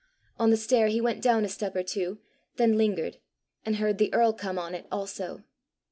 On the stair he went down a step or two, then lingered, and heard the earl come on it also.